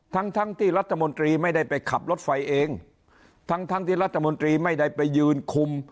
ทั้งทั้งที่รัฐมนตรีไม่ได้ไปขับรถไฟเองทั้งทั้งที่รัฐมนตรีไม่ได้ไปยืนคุม